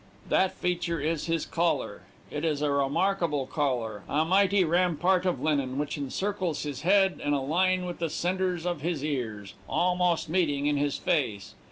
That feature is his collar. It is a remarkable collar a mighty rampart of linen, which encircles his head in a line with the centres of his ears, almost meeting in his face.